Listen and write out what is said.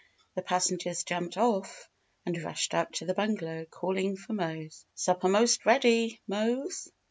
The passengers jumped off and rushed up to the bungalow calling for Mose. "Supper most ready, Mose?